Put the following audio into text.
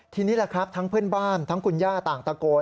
ทีนี้แหละครับทั้งเพื่อนบ้านทั้งคุณย่าต่างตะโกน